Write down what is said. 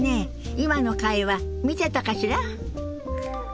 今の会話見てたかしら？